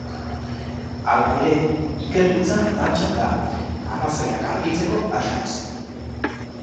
Hala ere, ikerkuntza martxan da, arrazoiak argitzeko asmoz.